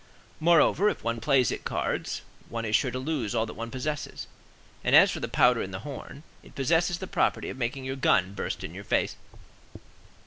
Moreover, if one plays at cards, one is sure to lose all that one possesses! and as for the powder in the horn, it possesses the property of making your gun burst in your face.